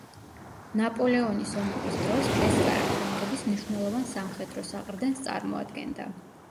ნაპოლეონის ომების დროს, პესკარა ფრანგების მნიშვნელოვან სამხედრო საყრდენს წარმოადგენდა.